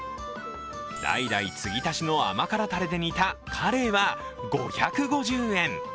代々、継ぎ足しの甘辛たれで煮たカレイは５５０円。